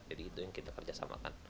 jadi itu yang kita kerjasamakan